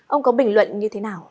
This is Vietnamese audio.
ông có bình luận như thế nào